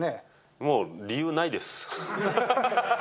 もう、理由ないです。